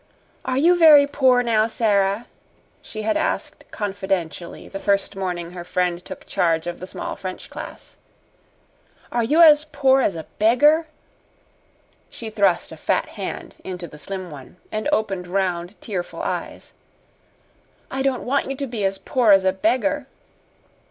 "Are you very poor now, Sara?" she had asked confidentially the first morning her friend took charge of the small French class. "Are you as poor as a beggar?" She thrust a fat hand into the slim one and opened round, tearful eyes. "I don't want you to be as poor as a beggar."